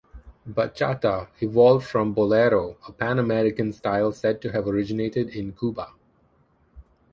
Bachata evolved from bolero, a Pan-American style said to have originated in Cuba.